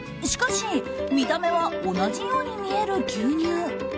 しかし、見た目は同じように見える牛乳。